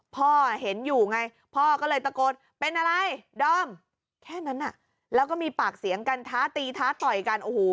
เป็นอะไรดอมแค่นั้นน่ะแล้วก็มีปากเสียงกันท้าตีท้าต่อยกันโอ้โห